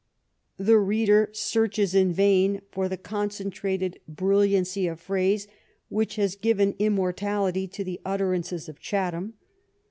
The reader searches in vain for the con centrated brilliancy of phrase which has given immor tality to the utterances of Chatham.